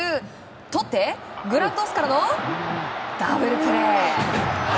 とってグラブトスからのダブルプレー！